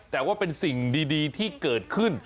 แต่ว่าเป็นสิ่งดีที่เกิดขึ้น